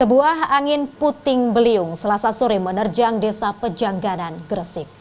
sebuah angin puting beliung selasa sore menerjang desa pejangganan gresik